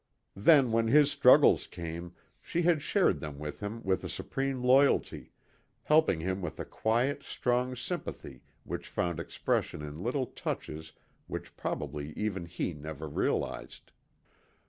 Then, when his struggles came, she had shared them with him with a supreme loyalty, helping him with a quiet, strong sympathy which found expression in little touches which probably even he never realized.